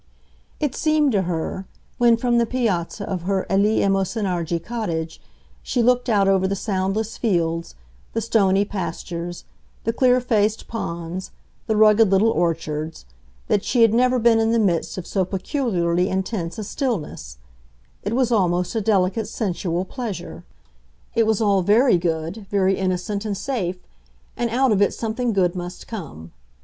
It seemed to her, when from the piazza of her eleemosynary cottage she looked out over the soundless fields, the stony pastures, the clear faced ponds, the rugged little orchards, that she had never been in the midst of so peculiarly intense a stillness; it was almost a delicate sensual pleasure. It was all very good, very innocent and safe, and out of it something good must come.